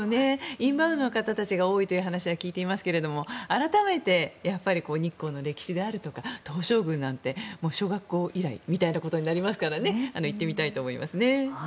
インバウンドの方たちが多いという話は聞いていますが改めて日光の歴史であるとか東照宮なんて小学校以来みたいなことになりますから行ってみたいと思いますね。